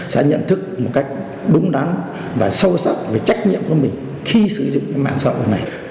sẽ nhận thức một cách đúng đắn và sâu sắc về trách nhiệm của mình khi sử dụng mạng xã hội này